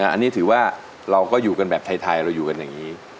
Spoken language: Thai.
อันนี้ถือว่าเราก็อยู่กันแบบไทยเราอยู่กันอย่างนี้